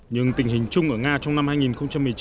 nhưng tình hình chung ở nga trong năm hai nghìn một mươi chín